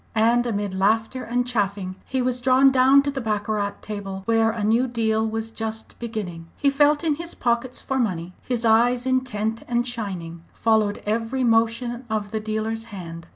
And amid laughter and chaffing he was drawn down to the baccarat table, where a new deal was just beginning. He felt in his pockets for money; his eyes, intent and shining, followed every motion of the dealer's hand.